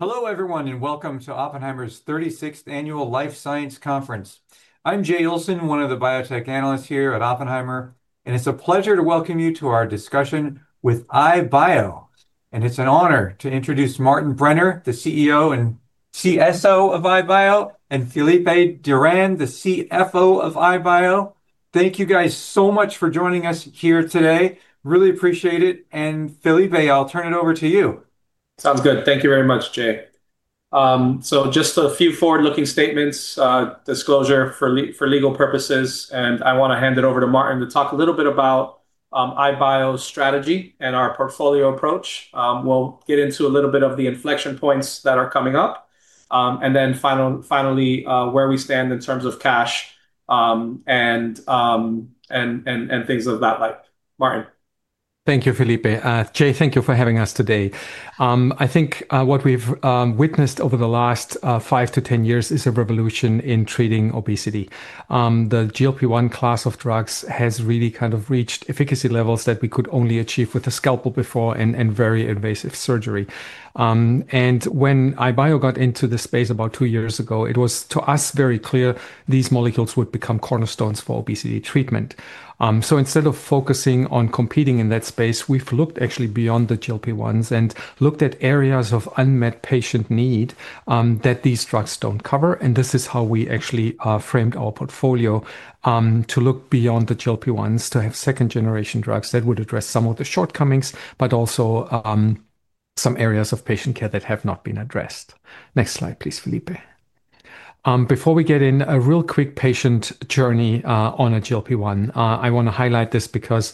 Hello everyone, welcome to Oppenheimer's 36th Annual Life Science Conference. I'm Jay Olson, one of the biotech analysts here at Oppenheimer, and it's a pleasure to welcome you to our discussion with iBio. It's an honor to introduce Martin Brenner, the CEO and CSO of iBio, and Felipe Duran, the CFO of iBio. Thank you guys so much for joining us here today. Really appreciate it, and Felipe, I'll turn it over to you. Sounds good. Thank you very much, Jay. Just a few forward-looking statements, disclosure for legal purposes, I want to hand it over to Martin to talk a little bit about iBio's strategy and our portfolio approach. We'll get into a little bit of the inflection points that are coming up, finally, where we stand in terms of cash and things of that like. Martin. Thank you, Felipe. Jay, thank you for having us today. I think what we've witnessed over the last five-10 years is a revolution in treating obesity. The GLP-1 class of drugs has really kind of reached efficacy levels that we could only achieve with a scalpel before and very invasive surgery. When iBio got into the space about two years ago, it was, to us, very clear these molecules would become cornerstones for obesity treatment. Instead of focusing on competing in that space, we've looked actually beyond the GLP-1s and looked at areas of unmet patient need that these drugs don't cover. This is how we actually framed our portfolio to look beyond the GLP-1s, to have second-generation drugs that would address some of the shortcomings, but also some areas of patient care that have not been addressed. Next slide, please, Felipe. Before we get in, a real quick patient journey on a GLP-1. I want to highlight this because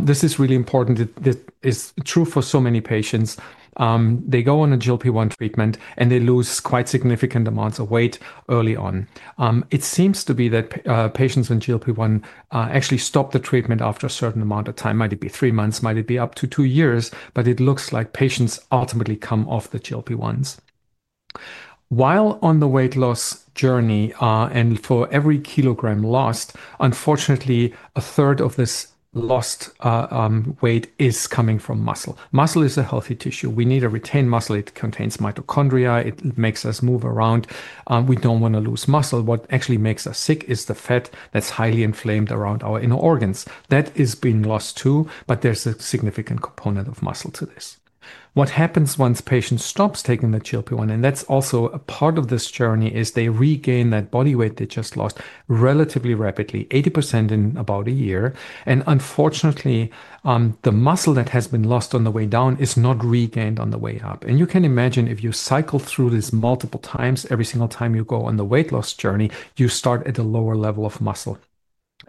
this is really important. This is true for so many patients. They go on a GLP-1 treatment, and they lose quite significant amounts of weight early on. It seems to be that patients on GLP-1 actually stop the treatment after a certain amount of time, might it be 3 months, might it be up to two years, but it looks like patients ultimately come off the GLP-1s. While on the weight loss journey, and for every kilogram lost, unfortunately, a third of this lost weight is coming from muscle. Muscle is a healthy tissue. We need to retain muscle. It contains mitochondria. It makes us move around. We don't want to lose muscle. What actually makes us sick is the fat that's highly inflamed around our inner organs. That is being lost too, but there's a significant component of muscle to this. What happens once patient stops taking the GLP-1, and that's also a part of this journey, is they regain that body weight they just lost relatively rapidly, 80% in about a year. Unfortunately, the muscle that has been lost on the way down is not regained on the way up. You can imagine, if you cycle through this multiple times, every single time you go on the weight loss journey, you start at a lower level of muscle.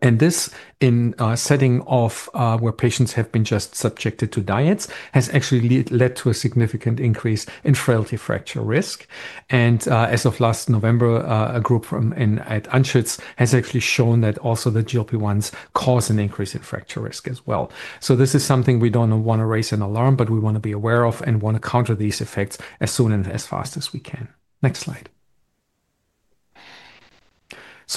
This, in a setting of, where patients have been just subjected to diets, has actually led to a significant increase in frailty fracture risk. As of last November, a group from in at Anschutz has actually shown that also the GLP-1s cause an increase in fracture risk as well. This is something we don't want to raise an alarm, but we want to be aware of and want to counter these effects as soon and as fast as we can. Next slide.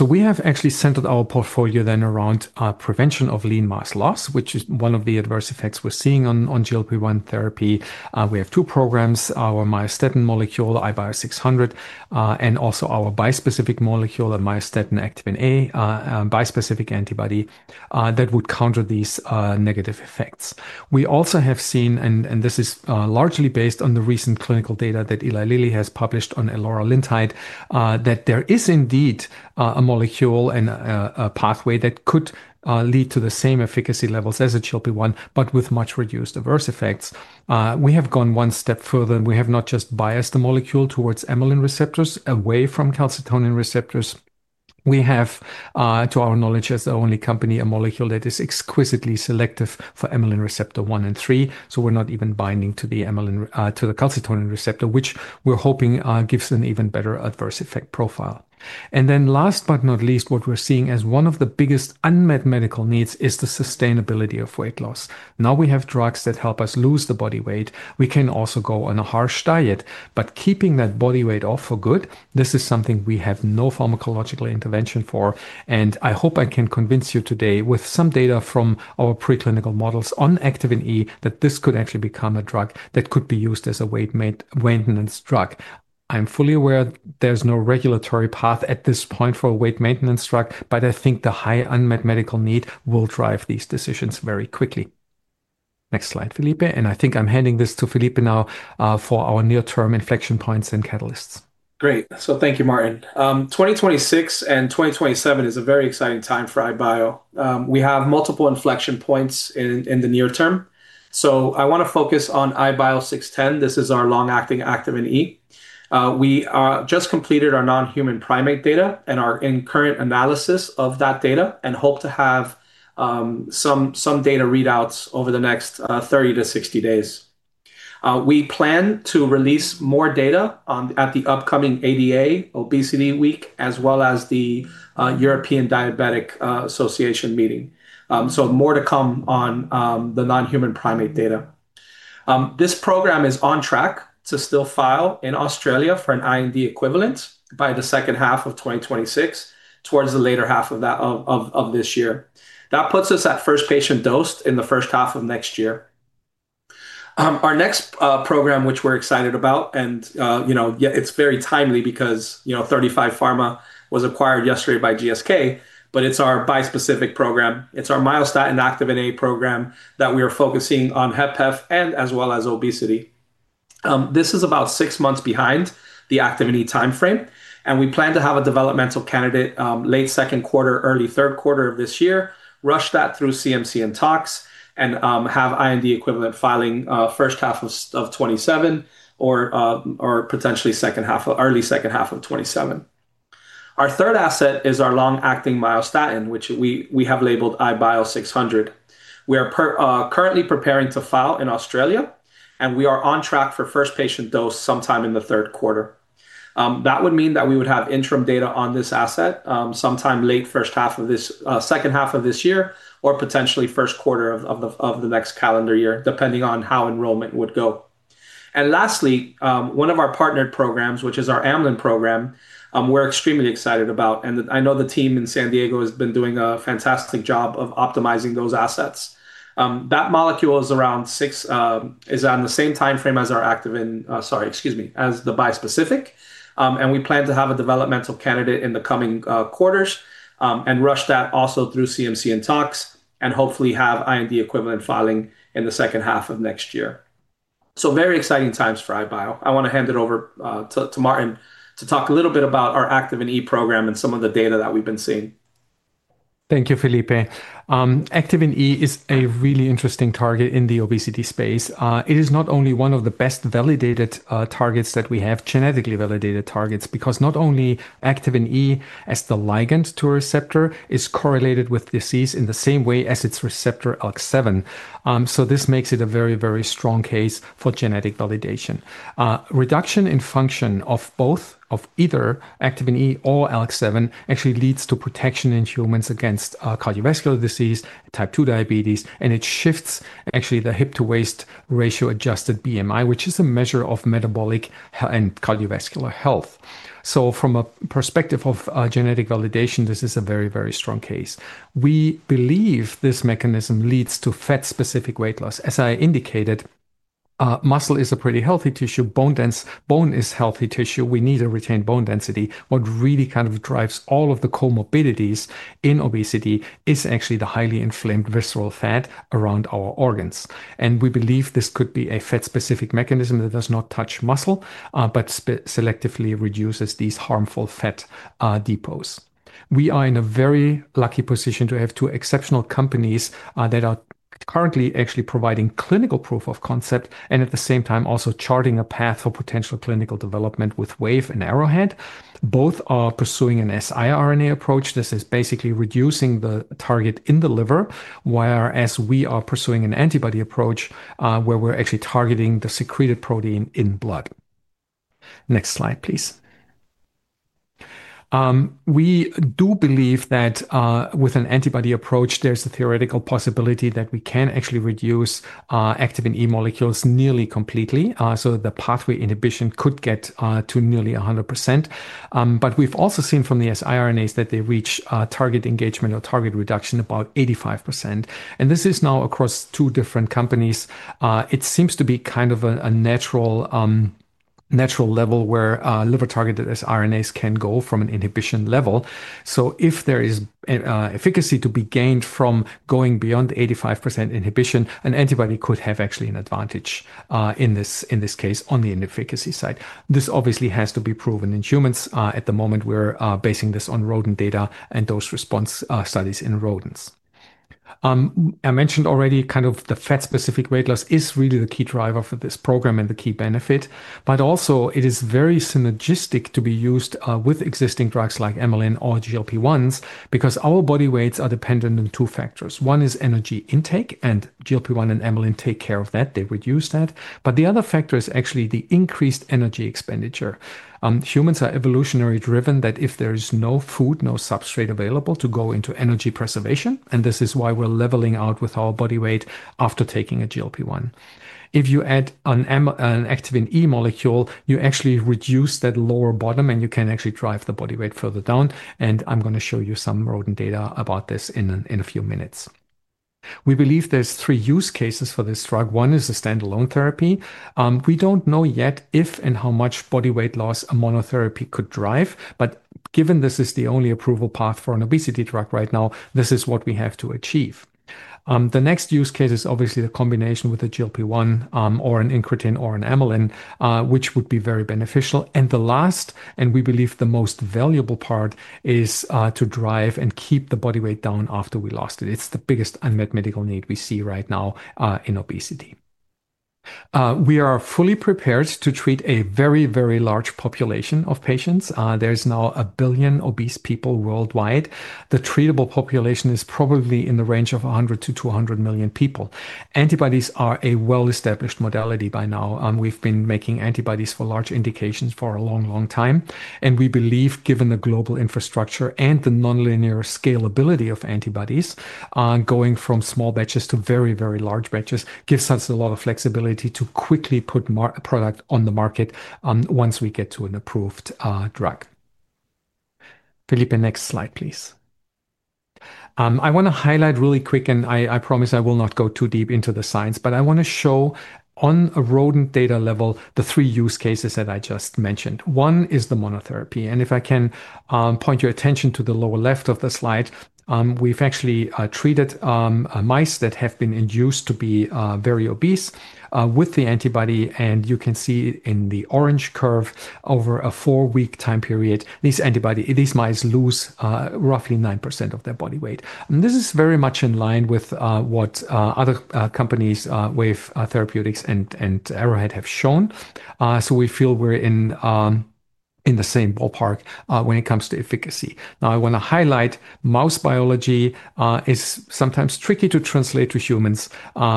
We have actually centered our portfolio then around prevention of lean mass loss, which is one of the adverse effects we're seeing on GLP-1 therapy. We have two programs, our myostatin molecule, IBIO-600, and also our bispecific molecule, a myostatin activin A, a bispecific antibody, that would counter these negative effects. We also have seen, and this is largely based on the recent clinical data that Eli Lilly has published on eloralintide, that there is indeed a molecule and a pathway that could lead to the same efficacy levels as a GLP-1, but with much reduced adverse effects. We have gone one step further, and we have not just biased the molecule towards amylin receptors, away from calcitonin receptors. We have, to our knowledge, as the only company, a molecule that is exquisitely selective for amylin receptor one and three, so we're not even binding to the calcitonin receptor, which we're hoping gives an even better adverse effect profile. Last but not least, what we're seeing as one of the biggest unmet medical needs is the sustainability of weight loss. We have drugs that help us lose the body weight. We can also go on a harsh diet, Keeping that body weight off for good, this is something we have no pharmacological intervention for, I hope I can convince you today with some data from our preclinical models on activin E, that this could actually become a drug that could be used as a weight maintenance drug. I'm fully aware there's no regulatory path at this point for a weight maintenance drug, I think the high unmet medical need will drive these decisions very quickly. Next slide, Felipe, I think I'm handing this to Felipe now, for our near-term inflection points and catalysts. Great. Thank you, Martin. 2026 and 2027 is a very exciting time for iBio. We have multiple inflection points in the near term, I want to focus on IBIO-610. This is our long-acting activin E. We just completed our non-human primate data and are in current analysis of that data and hope to have some data readouts over the next 30 to 60 days. We plan to release more data at the upcoming ADA ObesityWeek, as well as the European Diabetic Association meeting. More to come on the non-human primate data. This program is on track to still file in Australia for an IND equivalent by the second half of 2026, towards the later half of this year. That puts us at first patient dose in the first half of next year. Our next program, which we're excited about, and you know, yeah, it's very timely because, you know, 35Pharma was acquired yesterday by GSK, but it's our bispecific program. It's our myostatin activin A program that we are focusing on HFpEF and as well as obesity. This is about 6 months behind the activin E time frame, and we plan to have a developmental candidate, late second quarter, early third quarter of this year, rush that through CMC and tox, and have IND equivalent filing, first half of 2027 or potentially early second half of 2027. Our third asset is our long-acting myostatin, which we have labeled IBIO-600. We are currently preparing to file in Australia, and we are on track for first patient dose sometime in the third quarter. That would mean that we would have interim data on this asset, sometime late first half of this, second half of this year, or potentially first quarter of the next calendar year, depending on how enrollment would go. Lastly, one of our partnered programs, which is our amylin program, we're extremely excited about, and I know the team in San Diego has been doing a fantastic job of optimizing those assets. That molecule is around six. is on the same time frame as our activin, sorry, excuse me, as the bispecific. We plan to have a developmental candidate in the coming quarters, and rush that also through CMC and tox, and hopefully have IND equivalent filing in the second half of next year. Very exciting times for iBio. I want to hand it over to Martin to talk a little bit about our activin E program and some of the data that we've been seeing. Thank you, Felipe. activin E is a really interesting target in the obesity space. it is not only one of the best validated targets that we have, genetically validated targets, because not only activin E as the ligand to a receptor is correlated with disease in the same way as its receptor ALK7. this makes it a very, very strong case for genetic validation. reduction in function of either activin E or ALK7 actually leads to protection in humans against cardiovascular disease, type two diabetes, and it shifts actually the hip to waist ratio adjusted BMI, which is a measure of metabolic and cardiovascular health. from a perspective of genetic validation, this is a very, very strong case. We believe this mechanism leads to fat-specific weight loss. As I indicated, muscle is a pretty healthy tissue. Bone is healthy tissue. We need to retain bone density. What really kind of drives all of the comorbidities in obesity is actually the highly inflamed visceral fat around our organs. We believe this could be a fat-specific mechanism that does not touch muscle, but selectively reduces these harmful fat depots. We are in a very lucky position to have two exceptional companies that are currently actually providing clinical proof of concept and at the same time also charting a path for potential clinical development with Wave and Arrowhead. Both are pursuing an siRNA approach. This is basically reducing the target in the liver, whereas we are pursuing an antibody approach, where we're actually targeting the secreted protein in blood. Next slide, please. We do believe that with an antibody approach, there's a theoretical possibility that we can actually reduce activin E molecules nearly completely, so that the pathway inhibition could get to nearly 100%. We've also seen from the siRNAs that they reach target engagement or target reduction about 85%, and this is now across two different companies. It seems to be kind of a natural level where liver-targeted siRNAs can go from an inhibition level. If there is efficacy to be gained from going beyond the 85% inhibition, an antibody could have actually an advantage in this, in this case, on the efficacy side. This obviously has to be proven in humans. At the moment, we're basing this on rodent data and dose response studies in rodents. I mentioned already, kind of the fat-specific weight loss is really the key driver for this program and the key benefit. Also, it is very synergistic to be used with existing drugs like amylin or GLP-1s, because our body weights are dependent on two factors. One is energy intake. GLP-1 and amylin take care of that, they reduce that. The other factor is actually the increased energy expenditure. Humans are evolutionary driven, that if there is no food, no substrate available, to go into energy preservation. This is why we're leveling out with our body weight after taking a GLP-1. If you add an activin E molecule, you actually reduce that lower bottom. You can actually drive the body weight further down. I'm going to show you some rodent data about this in a few minutes. We believe there's three use cases for this drug. One is the standalone therapy. We don't know yet if and how much body weight loss a monotherapy could drive, but given this is the only approval path for an obesity drug right now, this is what we have to achieve. The next use case is obviously the combination with a GLP-1, or an incretin or an amylin, which would be very beneficial. The last, and we believe the most valuable part, is to drive and keep the body weight down after we lost it. It's the biggest unmet medical need we see right now, in obesity. We are fully prepared to treat a very large population of patients. There is now 1 billion obese people worldwide. The treatable population is probably in the range of 100 to 200 million people. Antibodies are a well-established modality by now, and we've been making antibodies for large indications for a long, long time. We believe, given the global infrastructure and the nonlinear scalability of antibodies, going from small batches to very, very large batches gives us a lot of flexibility to quickly put a product on the market once we get to an approved drug. Felipe, next slide, please. I want to highlight really quick, and I promise I will not go too deep into the science, but I want to show on a rodent data level the 3 use cases that I just mentioned. One is the monotherapy. If I can point your attention to the lower left of the slide, we've actually treated mice that have been induced to be very obese with the antibody, and you can see in the orange curve over a four week time period, this antibody, these mice lose roughly 9% of their body weight. This is very much in line with what other companies, Wave Life Sciences and Arrowhead have shown. We feel we're in the same ballpark when it comes to efficacy. I want to highlight mouse biology is sometimes tricky to translate to humans,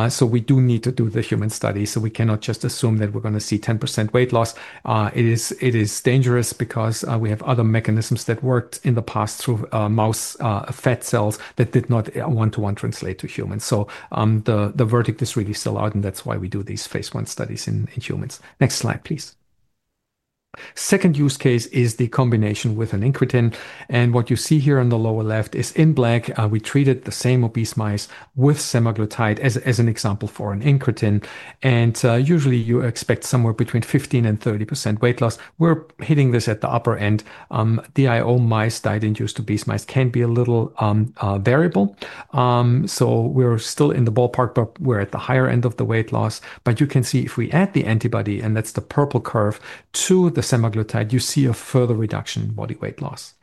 so we do need to do the human study, so we cannot just assume that we're going to see 10% weight loss. It is dangerous because we have other mechanisms that worked in the past through mouse fat cells that did not one-to-one translate to humans. The verdict is really still out, and that's why we do these Phase I studies in humans. Next slide, please. Second use case is the combination with an incretin, and what you see here on the lower left is in black, we treated the same obese mice with semaglutide as an example for an incretin, and usually you expect somewhere between 15% and 30% weight loss. We're hitting this at the upper end. The IO mice, diet-induced obese mice, can be a little variable. So we're still in the ballpark, but we're at the higher end of the weight loss. You can see if we add the antibody, and that's the purple curve, to the semaglutide, you see a further reduction in body weight loss.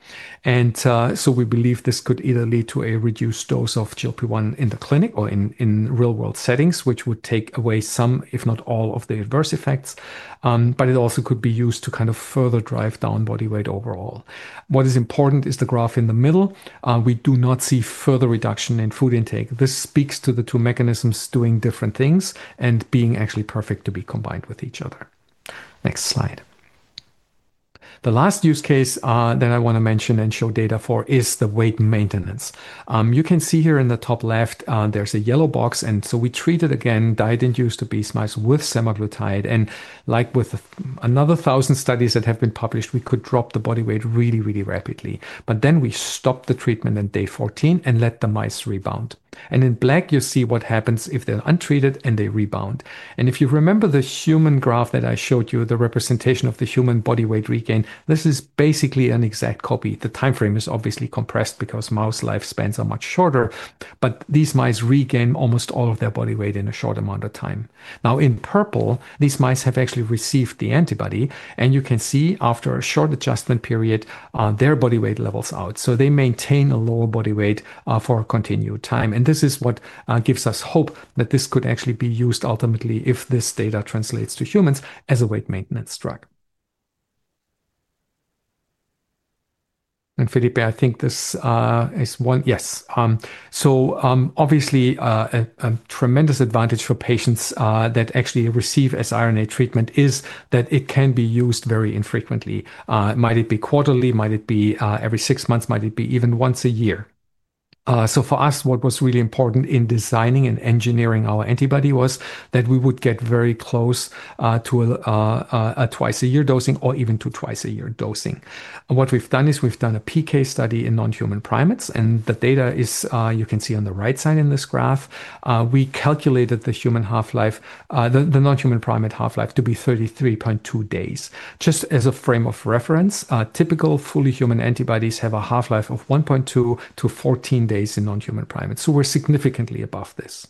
So we believe this could either lead to a reduced dose of GLP-1 in the clinic or in real-world settings, which would take away some, if not all, of the adverse effects. It also could be used to kind of further drive down body weight overall. What is important is the graph in the middle. We do not see further reduction in food intake. This speaks to the two mechanisms doing different things and being actually perfect to be combined with each other. Next slide. The last use case that I want to mention and show data for is the weight maintenance. You can see here in the top left, there's a yellow box, and so we treated again, diet-induced obese mice with semaglutide, and like with another 1,000 studies that have been published, we could drop the body weight really, really rapidly. We stopped the treatment on day 14 and let the mice rebound. In black, you see what happens if they're untreated, and they rebound. If you remember the human graph that I showed you, the representation of the human body weight regain, this is basically an exact copy. The time frame is obviously compressed because mouse lifespans are much shorter, but these mice regain almost all of their body weight in a short amount of time. Now, in purple, these mice have actually received the antibody, and you can see, after a short adjustment period, their body weight levels out. They maintain a lower body weight for a continued time, and this is what gives us hope that this could actually be used ultimately, if this data translates to humans, as a weight maintenance drug. Felipe, I think this is one. Yes. Obviously, a tremendous advantage for patients that actually receive siRNA treatment is that it can be used very infrequently, might it be quarterly, might it be every six months, might it be even once a year. For us, what was really important in designing and engineering our antibody was that we would get very close to a twice-a-year dosing or even to twice a year dosing. What we've done is we've done a PK study in non-human primates, and the data is, you can see on the right side in this graph. We calculated the human half-life, the non-human primate half-life to be 33.2 days. Just as a frame of reference, typical fully human antibodies have a half-life of 1.2 to 14 days in non-human primates, so we're significantly above this.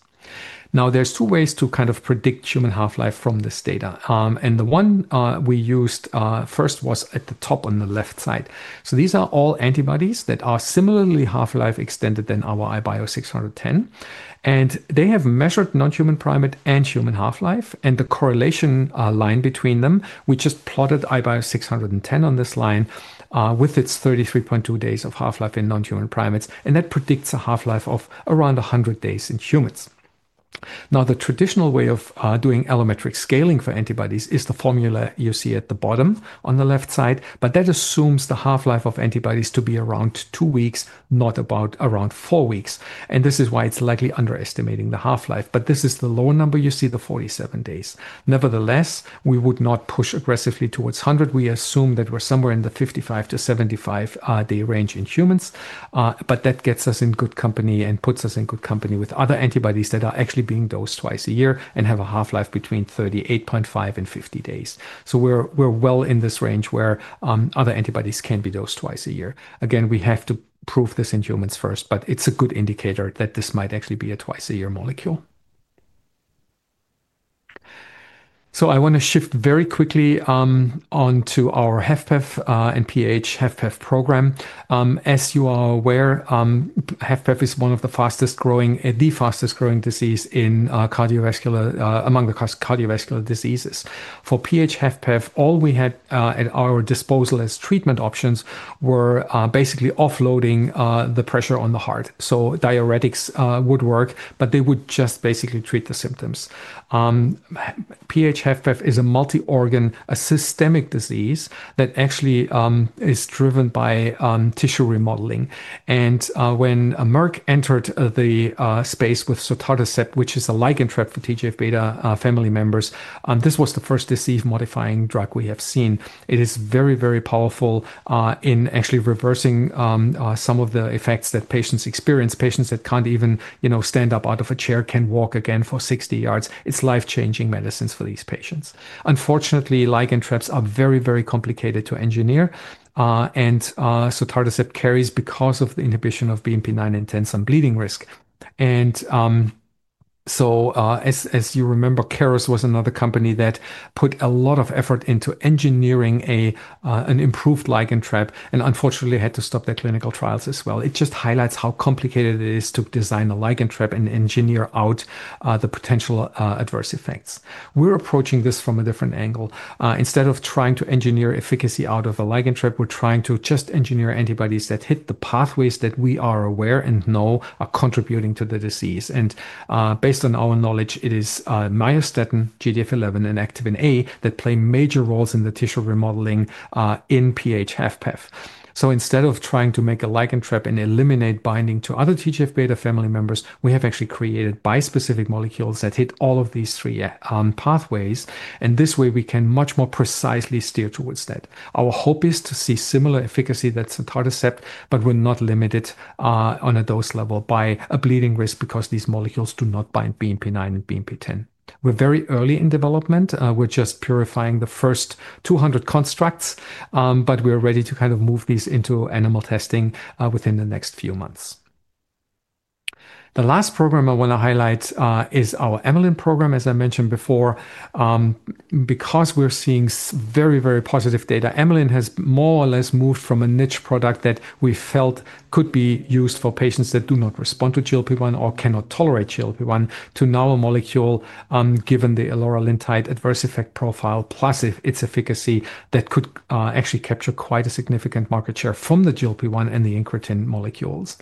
Now, there's two ways to kind of predict human half-life from this data. The one we used first was at the top on the left side. These are all antibodies that are similarly half-life extended than our IBIO-610, and they have measured non-human primate and human half-life and the correlation line between them. We just plotted IBIO-610 on this line, with its 33.2 days of half-life in non-human primates, and that predicts a half-life of around 100 days in humans. The traditional way of doing allometric scaling for antibodies is the formula you see at the bottom on the left side, but that assumes the half-life of antibodies to be around two weeks, not about around four weeks, and this is why it's likely underestimating the half-life, but this is the lower number you see, the 47 days. We would not push aggressively towards 100. We assume that we're somewhere in the 55 to 75 day range in humans, but that gets us in good company and puts us in good company with other antibodies that are actually being dosed twice a year and have a half-life between 38.5 and 50 days. We're well in this range where other antibodies can be dosed twice a year. Again, we have to prove this in humans first, but it's a good indicator that this might actually be a twice a year molecule. I want to shift very quickly onto our HFpEF and PH HFpEF program. As you are aware, HFpEF is the fastest-growing disease among the cardiovascular diseases. For PH-HFpEF, all we had at our disposal as treatment options were basically offloading the pressure on the heart. Diuretics would work, but they would just basically treat the symptoms. PH-HFpEF is a multi-organ, a systemic disease that actually is driven by tissue remodeling. When Merck entered the space with sotatercept, which is a ligand trap for TGF-β family members, this was the first disease-modifying drug we have seen. It is very, very powerful in actually reversing some of the effects that patients experience. Patients that can't even, you know, stand up out of a chair can walk again for 60 yards. It's life-changing medicines for these patients. Unfortunately, ligand traps are very, very complicated to engineer, and sotatercept carries, because of the inhibition of BMP9 and 10, some bleeding risk. As you remember, Keros was another company that put a lot of effort into engineering an improved ligand trap, and unfortunately had to stop their clinical trials as well. It just highlights how complicated it is to design a ligand trap and engineer out the potential adverse effects. We're approaching this from a different angle. Instead of trying to engineer efficacy out of a ligand trap, we're trying to just engineer antibodies that hit the pathways that we are aware and know are contributing to the disease. Based on our knowledge, it is myostatin, GDF11, and activin A that play major roles in the tissue remodeling in PH-HFpEF. Instead of trying to make a ligand trap and eliminate binding to other TGF-β family members, we have actually created bispecific molecules that hit all of these three pathways, and this way, we can much more precisely steer towards that. Our hope is to see similar efficacy that sotatercept, but we're not limited on a dose level by a bleeding risk because these molecules do not bind BMP9 and BMP10. We're very early in development. We're just purifying the first 200 constructs, but we're ready to kind of move these into animal testing within the next few months. The last program I want to highlight is our amylin program, as I mentioned before. Because we're seeing very, very positive data, amylin has more or less moved from a niche product that we felt could be used for patients that do not respond to GLP-1 or cannot tolerate GLP-1, to now a molecule, given the eloralintide adverse effect profile, plus its efficacy, that could actually capture quite a significant market share from the GLP-1 and the incretin molecules.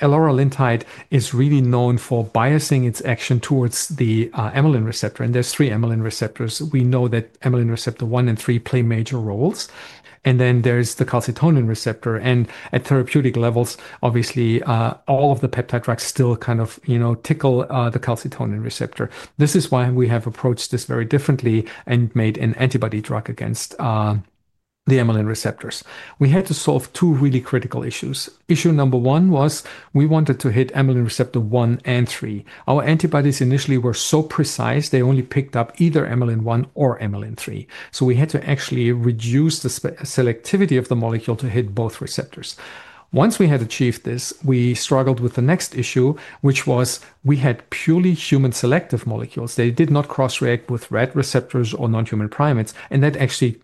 Eloralintide is really known for biasing its action towards the amylin receptor, and there's three amylin receptors. We know that amylin receptor one and three play major roles, and then there's the calcitonin receptor. At therapeutic levels, obviously, all of the peptide drugs still kind of, you know, tickle the calcitonin receptor. This is why we have approached this very differently and made an antibody drug against the amylin receptors. We had to solve two really critical issues. Issue number one was we wanted to hit amylin receptor 1 and 3. Our antibodies initially were so precise, they only picked up either amylin one or amylin three. We had to actually reduce the selectivity of the molecule to hit both receptors. Once we had achieved this, we struggled with the next issue, which was we had purely human selective molecules. They did not cross-react with rat receptors or non-human primates, that actually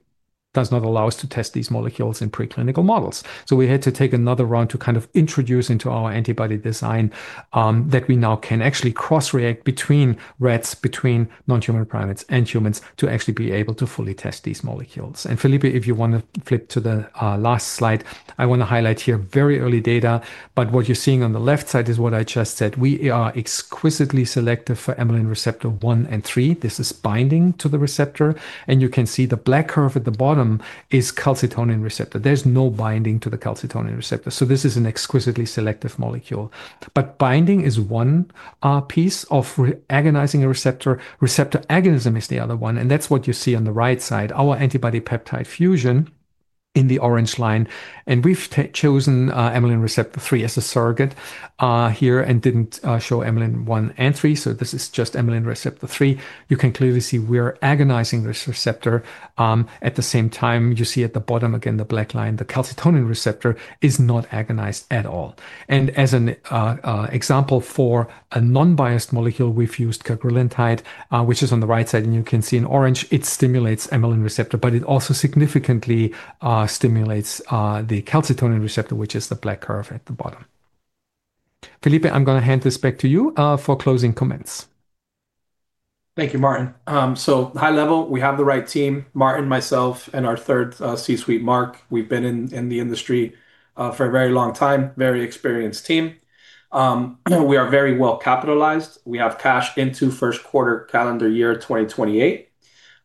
does not allow us to test these molecules in preclinical models. We had to take another run to kind of introduce into our antibody design, that we now can actually cross-react between rats, between non-human primates and humans, to actually be able to fully test these molecules. Felipe, if you want to flip to the last slide, I want to highlight here very early data, what you're seeing on the left side is what I just said. We are exquisitely selective for amylin receptor 1 and 3. This is binding to the receptor, you can see the black curve at the bottom is calcitonin receptor. There's no binding to the calcitonin receptor, this is an exquisitely selective molecule. Binding is one piece of agonizing a receptor. Receptor agonism is the other one, that's what you see on the right side, our antibody peptide fusion in the orange line, we've chosen amylin receptor three as a surrogate here, didn't show amylin one and three, this is just amylin receptor three. You can clearly see we are agonizing this receptor. At the same time, you see at the bottom, again, the black line, the calcitonin receptor is not agonized at all. As an example for a non-biased molecule, we've used cagrilintide, which is on the right side, and you can see in orange, it stimulates amylin receptor, but it also significantly stimulates the calcitonin receptor, which is the black curve at the bottom. Felipe, I'm gonna hand this back to you for closing comments. Thank you, Martin. High level, we have the right team, Martin, myself, and our third C-suite, Mark. We've been in the industry for a very long time. Very experienced team. We are very well capitalized. We have cash into first quarter calendar year 2028.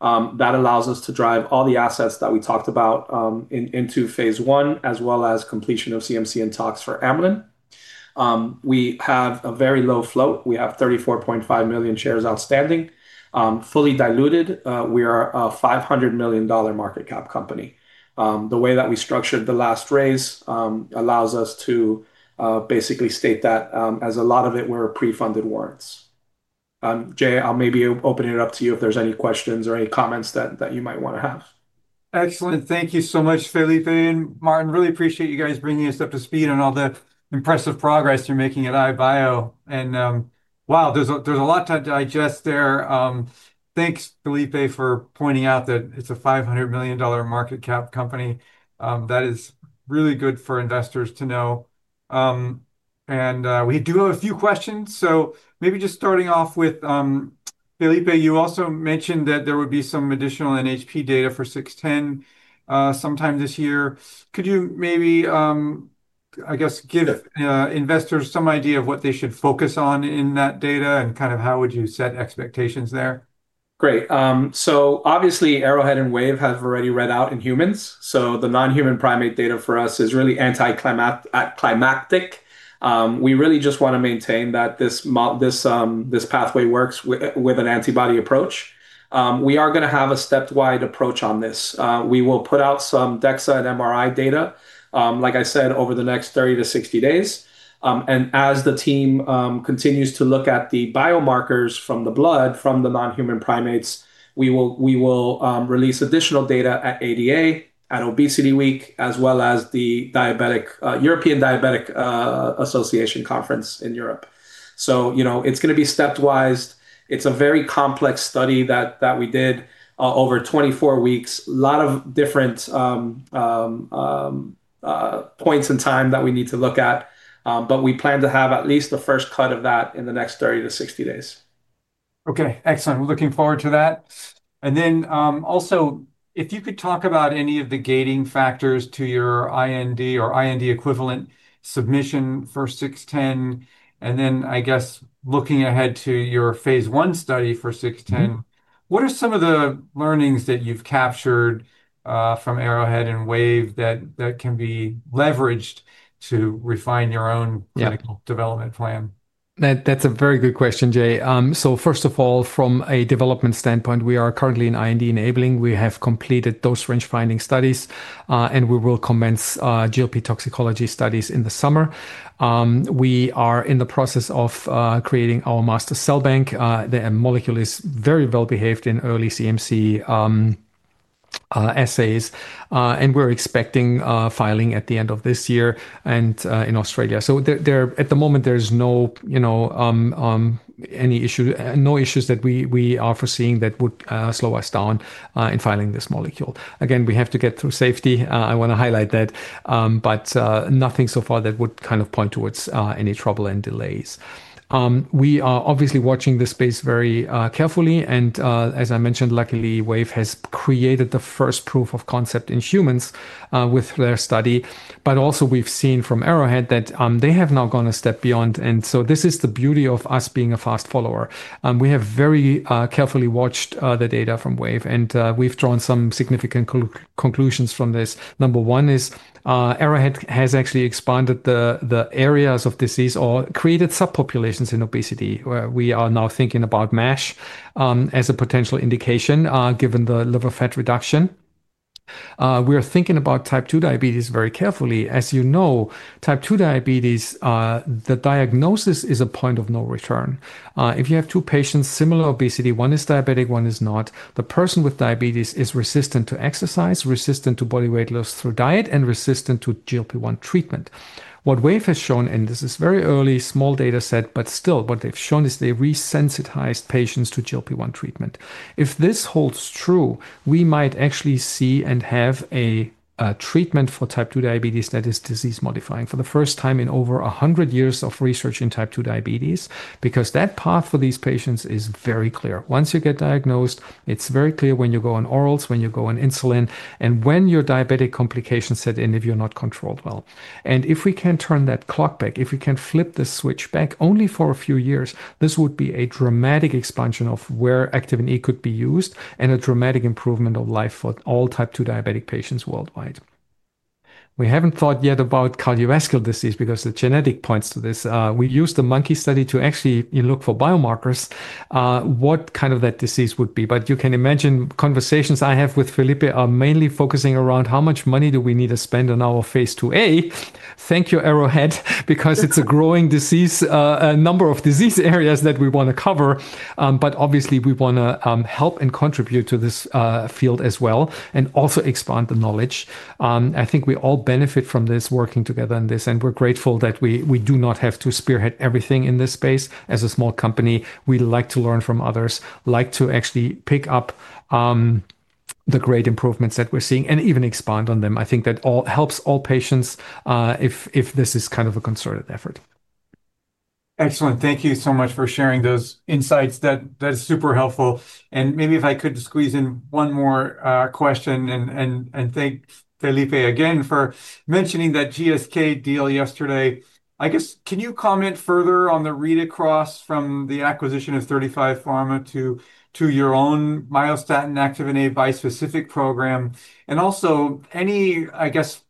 That allows us to drive all the assets that we talked about into Phase l, as well as completion of CMC and tox for amylin. We have a very low float. We have 34.5 million shares outstanding. Fully diluted, we are a $500 million market cap company. The way that we structured the last raise allows us to basically state that as a lot of it were pre-funded warrants. Jay, I'll maybe open it up to you if there's any questions or any comments that you might want to have. Excellent. Thank you so much, Felipe and Martin. Really appreciate you guys bringing us up to speed on all the impressive progress you're making at iBio, and wow, there's a lot to digest there. Thanks, Felipe, for pointing out that it's a $500 million market cap company. That is really good for investors to know. We do have a few questions. Maybe just starting off with, Felipe, you also mentioned that there would be some additional NHP data for 610 sometime this year. Could you maybe, I guess, Sure... investors some idea of what they should focus on in that data, and kind of how would you set expectations there? Great. Obviously, Arrowhead and Wave have already read out in humans, the non-human primate data for us is really climactic. We really just want to maintain that this pathway works with an antibody approach. We are gonna have a stepped wide approach on this. We will put out some DEXA and MRI data, like I said, over the next 30 to 60 days. As the team continues to look at the biomarkers from the blood, from the non-human primates, we will release additional data at ADA, at Obesity Week, as well as the European Diabetic Association Conference in Europe. You know, it's gonna be step-wised. It's a very complex study that we did over 24 weeks. A lot of different points in time that we need to look at, but we plan to have at least the first cut of that in the next 30-60 days. Okay, excellent. We're looking forward to that. Also, if you could talk about any of the gating factors to your IND or IND equivalent submission for 610, and then I guess looking ahead to your phase l study for 610, what are some of the learnings that you've captured from Arrowhead and Wave that can be leveraged to refine your own- Yeah clinical development plan? That's a very good question, Jay. First of all, from a development standpoint, we are currently in IND enabling. We have completed those range-finding studies, and we will commence GLP toxicology studies in the summer. We are in the process of creating our master cell bank. The molecule is very well behaved in early CMC essays, and we're expecting filing at the end of this year and in Australia. At the moment, there's no, you know, no issues that we are foreseeing that would slow us down in filing this molecule. Again, we have to get through safety, I want to highlight that, but nothing so far that would kind of point towards any trouble and delays. We are obviously watching this space very carefully, as I mentioned, luckily, Wave has created the first proof of concept in humans with their study. We've seen from Arrowhead that they have now gone a step beyond, this is the beauty of us being a fast follower. We have very carefully watched the data from Wave, we've drawn some significant conclusions from this. Number one is, Arrowhead has actually expanded the areas of disease or created subpopulations in obesity, where we are now thinking about MASH as a potential indication given the liver fat reduction. We are thinking about type two diabetes very carefully. As you know, type two diabetes, the diagnosis is a point of no return. If you have two patients, similar obesity, one is diabetic, one is not, the person with diabetes is resistant to exercise, resistant to body weight loss through diet, and resistant to GLP-1 treatment. Wave has shown, this is very early, small data set, but still what they've shown is they re-sensitized patients to GLP-1 treatment. If this holds true, we might actually see and have a treatment for type two diabetes that is disease modifying for the first time in over 100 years of research in type two diabetes. That path for these patients is very clear. Once you get diagnosed, it's very clear when you go on orals, when you go on insulin, and when your diabetic complications set in if you're not controlled well. If we can turn that clock back, if we can flip the switch back only for a few years, this would be a dramatic expansion of where activin A could be used and a dramatic improvement of life for all type 2 diabetic patients worldwide. We haven't thought yet about cardiovascular disease because the genetic points to this. We used a monkey study to actually look for biomarkers, what kind of that disease would be. You can imagine conversations I have with Felipe are mainly focusing around how much money do we need to spend on our Phase lla. Thank you, Arrowhead, because it's a growing disease, a number of disease areas that we want to cover. Obviously, we want to help and contribute to this field as well and also expand the knowledge. I think we all benefit from this, working together on this, and we're grateful that we do not have to spearhead everything in this space. As a small company, we like to learn from others, like to actually pick up the great improvements that we're seeing and even expand on them. I think that helps all patients, if this is kind of a concerted effort. Excellent. Thank you so much for sharing those insights. That's super helpful. Maybe if I could squeeze in one more question, and thank Felipe again for mentioning that GSK deal yesterday. I guess, can you comment further on the read-across from the acquisition of 35Pharma to your own myostatin activin A bispecific program? Also any, I guess,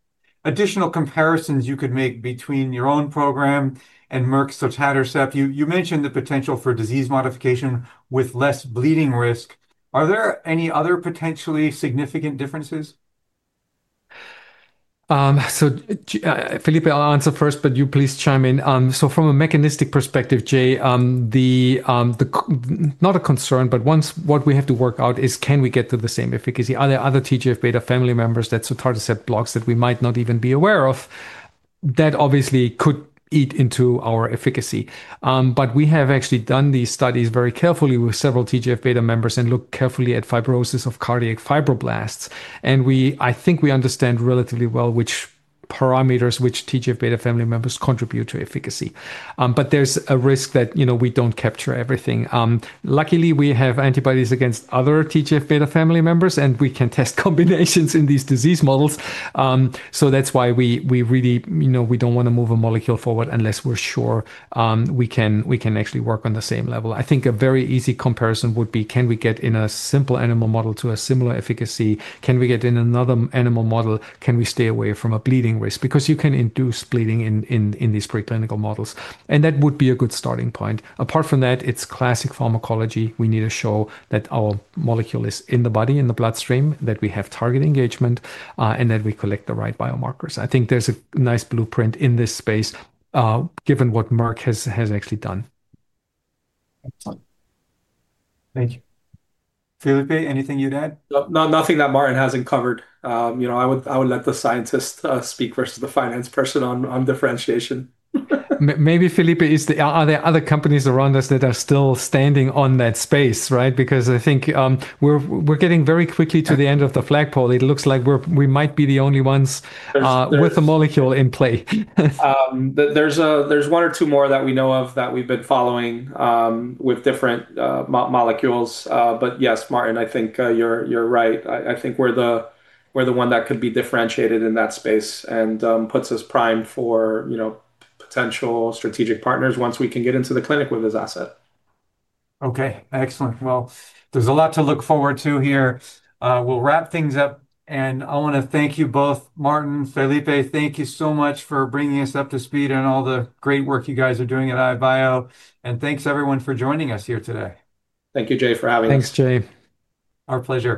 additional comparisons you could make between your own program and Merck's sotatercept. You mentioned the potential for disease modification with less bleeding risk. Are there any other potentially significant differences? Felipe, I'll answer first, but you please chime in. From a mechanistic perspective, Jay, not a concern, but what we have to work out is, can we get to the same efficacy? Are there other TGF-β family members that sotatercept blocks that we might not even be aware of? That obviously could eat into our efficacy. But we have actually done these studies very carefully with several TGF-β members and looked carefully at fibrosis of cardiac fibroblasts, and I think we understand relatively well which parameters, which TGF-β family members contribute to efficacy. But there's a risk that, you know, we don't capture everything. Luckily, we have antibodies against other TGF-β family members, and we can test combinations in these disease models. That's why we really, you know, we don't want to move a molecule forward unless we're sure we can actually work on the same level. I think a very easy comparison would be, can we get in a simple animal model to a similar efficacy? Can we get in another animal model? Can we stay away from a bleeding risk? Because you can induce bleeding in these preclinical models, and that would be a good starting point. Apart from that, it's classic pharmacology. We need to show that our molecule is in the body, in the bloodstream, that we have target engagement, and that we collect the right biomarkers. I think there's a nice blueprint in this space, given what Merck has actually done. Excellent. Thank you. Felipe, anything you'd add? No, nothing that Martin hasn't covered. You know, I would let the scientist speak versus the finance person on differentiation. Maybe, Felipe, are there other companies around us that are still standing on that space, right? I think we're getting very quickly to the end of the flagpole. It looks like we might be the only ones. There's, there's- with a molecule in play. There's one or two more that we know of that we've been following, with different molecules. Yes, Martin, I think, you're right. I think we're the one that could be differentiated in that space and puts us primed for, you know, potential strategic partners once we can get into the clinic with this asset. Okay, excellent. Well, there's a lot to look forward to here. We'll wrap things up. I want to thank you both. Martin, Felipe, thank you so much for bringing us up to speed on all the great work you guys are doing at iBio. Thanks, everyone, for joining us here today. Thank you, Jay, for having us. Thanks, Jay. Our pleasure.